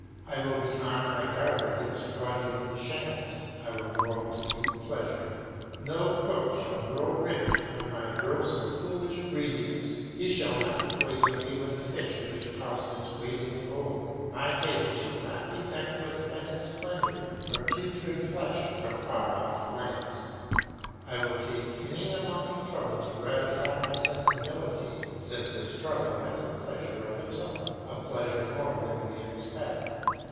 I will be on my guard against fraudulent shams; I will go out to meet pleasure. No cook shall grow rich on my gross and foolish greediness; he shall not poison me with fish which cost its weight in gold, my table shall not be decked with fetid splendour or putrid flesh from far off lands. I will take any amount of trouble to gratify my sensibility, since this trouble has a pleasure of its own, a pleasure more than we expect.